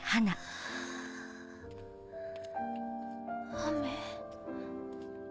雨。